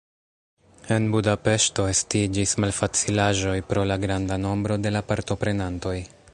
En Budapeŝto estiĝis malfacilaĵoj pro la granda nombro de la partoprenantoj.